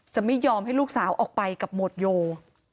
จะไม่ยอมให้ลูกสาวออกไปกับหมวดโย